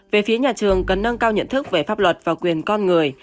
về phía nhà trường cần nâng cao nhận thức về pháp luật và quyền con người